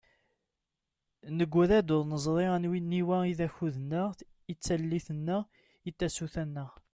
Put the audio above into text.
Negra-d ur neẓri aniwa i d akud-nneɣ, i d tallit-nneɣ, i d tasuta-nneɣ.